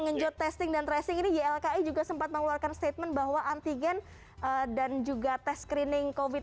mengenjot testing dan tracing ini ylki juga sempat mengeluarkan statement bahwa antigen dan juga tes screening covid sembilan belas